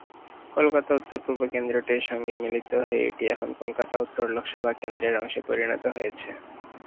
কলকাতা উত্তর পূর্ব কেন্দ্রটির সঙ্গে মিলিত হয়ে এটি এখন কলকাতা উত্তর লোকসভা কেন্দ্রের অংশে পরিণত হয়েছে।